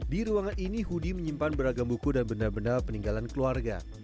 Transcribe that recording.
di ruangan ini hudi menyimpan beragam buku dan benda benda peninggalan keluarga